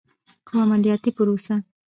خو عملیاتي پروسه